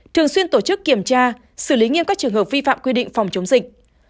thường xuyên tổ chức kiểm tra xử lý nghiêm các trường hợp vi phạm quy định phòng chống dịch